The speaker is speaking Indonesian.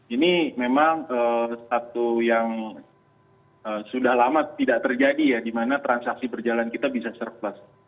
ini memang satu yang sudah lama tidak terjadi ya di mana transaksi berjalan kita bisa surplus